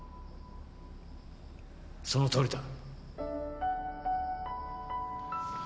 そのとおりだ。